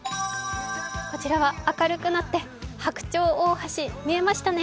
こちらは明るくなって、白鳥大橋、見えましたね。